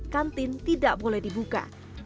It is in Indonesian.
kantin tidak boleh dibuka